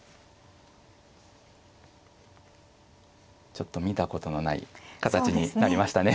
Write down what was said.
ちょっと見たことのない形になりましたね。